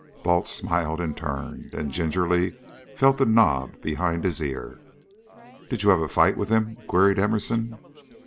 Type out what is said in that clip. Balt smiled in turn, then gingerly felt of the knob behind his ear. "Did you have a fight with him?" queried Emerson.